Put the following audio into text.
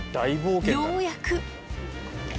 ようやく。